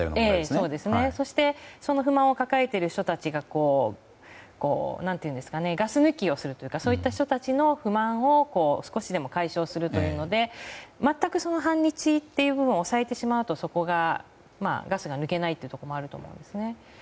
そしてその不満を抱えている人たちがガス抜きをするというかそういった人たちの不満を少しでも解消するというので全く反日というものを抑えてしまうとガスが抜けないということもあると思います。